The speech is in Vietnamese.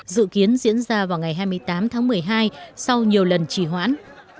dự kiến diễn ra vào ngày hai mươi tám tháng một mươi hai sau nhiều lần chỉ hoãn